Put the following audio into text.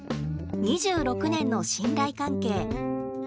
「２６年の信頼関係」。